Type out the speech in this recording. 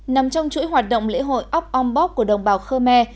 nằm trong chuỗi hoạt động lễ hội óc on bóc của đồng bào khơ me